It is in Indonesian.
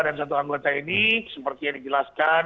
dan satu anggota ini seperti yang dijelaskan